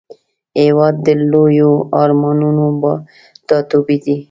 هېواد د لویو ارمانونو ټاټوبی دی.